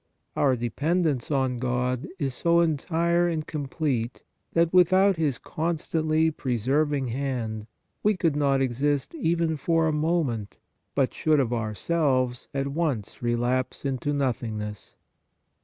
Our dependence on God is so entire and complete, that, without His constantly preserving hand, we could not exist even for a moment, but should of our selves at once relapse into nothingness.